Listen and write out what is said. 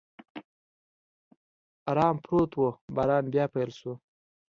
ارام پروت و، باران بیا پیل شو.